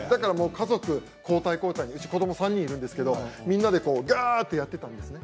家族交代交代で子ども３人いるんですけどみんなでやってたんです。